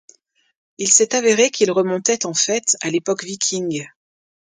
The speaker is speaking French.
Il s'est avéré qu'il remontait en fait à l'époque viking.